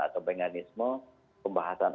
atau mekanisme pembahasan